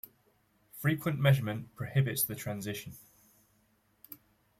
Frequent measurement prohibits the transition.